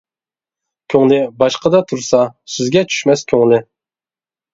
كۆڭلى باشقىدا تۇرسا، سىزگە چۈشمەس كۆڭلى.